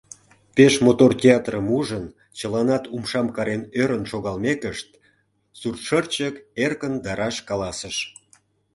Пеш мотор театрым ужын, чыланат умшам карен ӧрын шогалмекышт, суртшырчык эркын да раш каласыш: